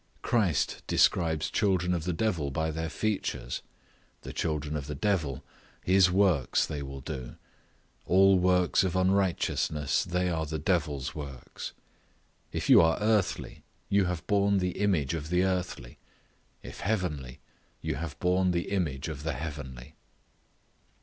Christ describes children of the devil by their features; the children of the devil, his works they will do; all works of unrighteousness, they are the devil's works. If you are earthly, you have borne the image of the earthly; if heavenly, you have borne the image of the heavenly.